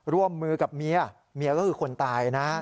ร่วมมือกับเมียเมียก็คือคนตายนะ